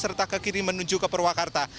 serta ke kiri menuju ke purwakarta